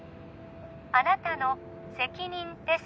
あなたの責任です